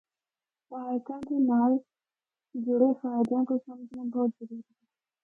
پارکاں دے نال جڑے فائدیاں کو سمجھنا بہت ضروری ہے۔